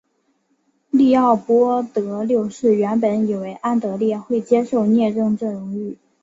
利奥波德六世原本以为安德烈会接受摄政这荣誉。